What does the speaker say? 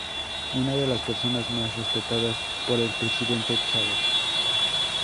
Una de las personas más respetadas por el presidente Chávez.